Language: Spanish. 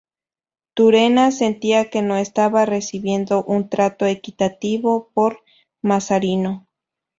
Turena sentía que no estaba recibiendo un trato equitativo por Mazarino.